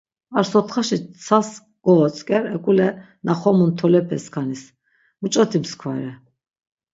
Ar sotxaşi tsas kovotzk̆er, ek̆ule na xomun tolepe skanis, muç̌oti mskva re.